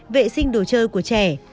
vệ sinh đồ chơi của trẻ